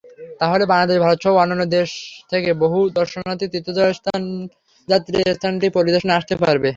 তাহলে বাংলাদেশ-ভারতসহ অন্যান্য দেশ থেকে বহু দর্শনার্থী, তীর্থযাত্রী স্থানটি পরিদর্শনে আসতে পারবে।